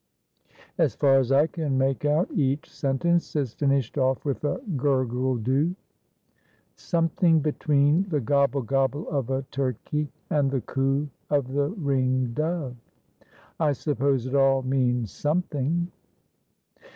As far as I can make out each sentence is finished off with a 'gurgle doe.' Something between the 'gobble, gobble' of a turkey and the coo of the ring dove. I suppose it all means something."